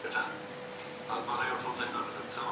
قانون پلی کړئ.